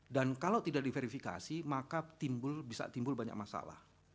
dan kalau tidak diverifikasi maka bisa timbul banyak masalah